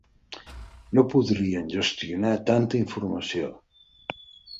No podrien gestionar tanta informació.